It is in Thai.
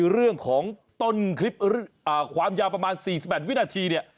เรื่องของต้นคลิปความยาวประมาณ๔๘วินาทีเนี่ย